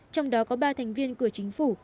trong đó có ba thành viên của chính phủ